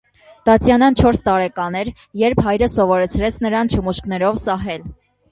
Տատյանան չորս տարեկան էր, երբ հայրը սովորեցրեց նրան չմուշկներով սահել։